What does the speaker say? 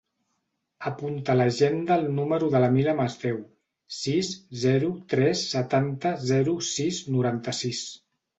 Apunta a l'agenda el número de la Mila Masdeu: sis, zero, tres, setanta, zero, sis, noranta-sis.